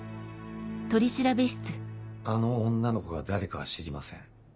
あの女の子が誰かは知りません。